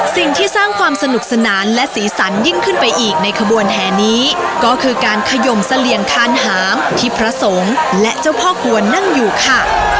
สิ่งที่สร้างความสนุกสนานและสีสันยิ่งขึ้นไปอีกในขบวนแห่นี้ก็คือการขยมเสลี่ยงคานหามที่พระสงฆ์และเจ้าพ่อกวนนั่งอยู่ค่ะ